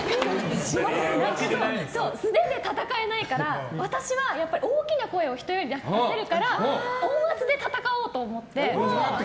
素手で戦えないから私は大きな声を人より出せるから音圧で戦おうと思って。